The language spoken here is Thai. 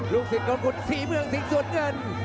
สิทธิ์ของคุณศรีเมืองสิงสวนเงิน